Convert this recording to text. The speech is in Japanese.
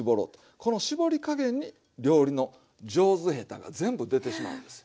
この絞り加減に料理の上手下手が全部出てしまうんですよ。